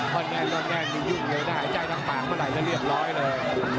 ตอนแน่นตอนแน่นมียุ่งเลยได้หายใจทั้งปากมาหลายแล้วเรียบร้อยเลย